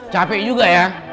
capek juga ya